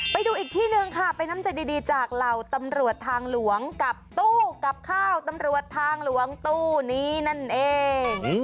ไปดูอีกที่หนึ่งค่ะเป็นน้ำใจดีจากเหล่าตำรวจทางหลวงกับตู้กับข้าวตำรวจทางหลวงตู้นี้นั่นเอง